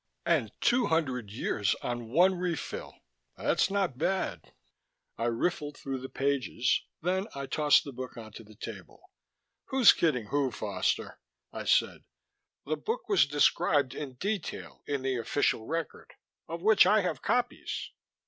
"And two hundred years on one refill that's not bad." I riffled through the pages, then I tossed the book onto the table. "Who's kidding who, Foster?" I said. "The book was described in detail in the official record, of which I have copies.